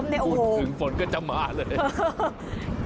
ถึงฝนก็จะมาเลย